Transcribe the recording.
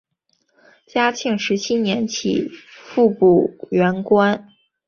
嘉庆十七年起复补原官。